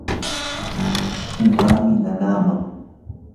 umami nanaaman.